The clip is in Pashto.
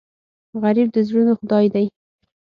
غریب د زړونو خدای دی